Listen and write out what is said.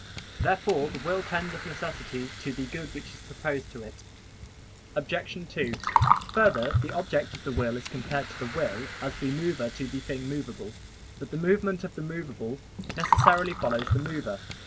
Therefore the will tends of necessity to the good which is proposed to it. Obj. 2: Further, the object of the will is compared to the will as the mover to the thing movable. But the movement of the movable necessarily follows the mover.